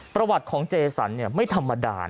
ประวัติของเจสันไม่ธรรมดา